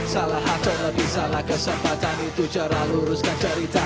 salah atau lebih salah kesempatan itu cara luruskan cerita